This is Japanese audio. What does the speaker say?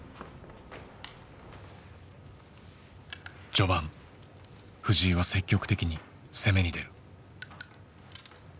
序盤藤井は積極的に攻めに出る。